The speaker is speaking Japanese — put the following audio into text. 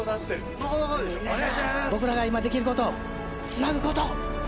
僕らが今できること、つなぐこと。